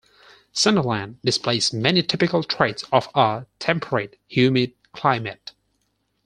Sunderland displays many typical traits of a temperate humid climate.